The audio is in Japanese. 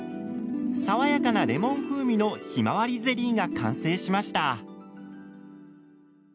爽やかなレモン風味のひまわりゼリーが完成しました。